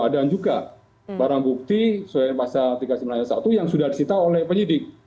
dan juga barang bukti sesuai dengan pasal tiga ratus sembilan puluh satu yang sudah disita oleh penyidik